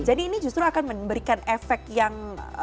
jadi ini justru akan memberikan efek yang